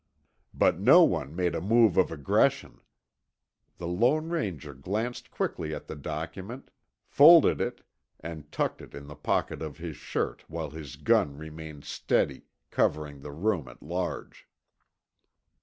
But no one made a move of aggression. The Lone Ranger glanced quickly at the document, folded it, and tucked it in the pocket of his shirt while his gun remained steady, covering the room at large.